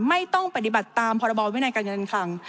ไม่ต้องปฏิบัติตามพรบวินัยการเงินคลัง